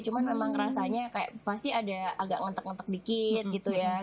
cuman memang rasanya kayak pasti ada agak ngentek ngentek dikit gitu ya